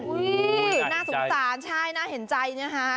อุ้ยน่าสุขตาลใช่น่าเห็นใจนะฮะ